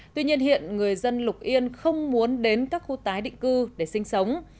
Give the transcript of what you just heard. tuy nhiên hiện người dân lục yên không muốn đến các khu tái định cư để sinh sống